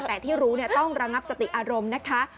แต่ที่รู้ต้องระงับสติอารมณ์นะคะ